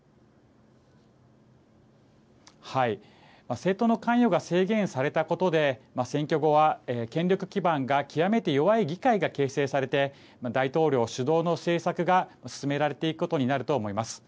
政党の関与が制限されたことで選挙後は権力基盤が極めて弱い議会が形成されて大統領主導の政策が進められていくことになると思います。